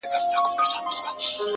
هوښیار انسان احساسات سم لوري ته بیایي،